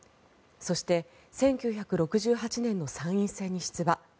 そして、１９６８年に参院選に出馬。